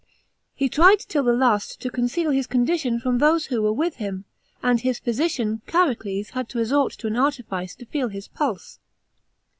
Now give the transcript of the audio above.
He tried till the last to conceal his condition from those who were with him, and his physician Chariules had to resort to an artifice to feel h's pulse.